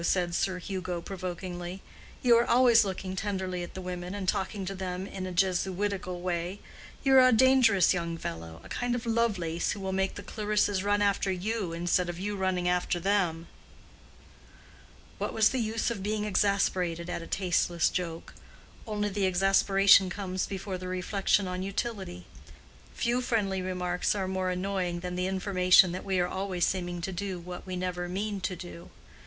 said Sir Hugo, provokingly. "You are always looking tenderly at the women, and talking to them in a Jesuitical way. You are a dangerous young fellow—a kind of Lovelace who will make the Clarissas run after you instead of you running after them." What was the use of being exasperated at a tasteless joke?—only the exasperation comes before the reflection on utility. Few friendly remarks are more annoying than the information that we are always seeming to do what we never mean to do.